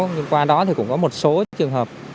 nhưng qua đó thì cũng có một số trường hợp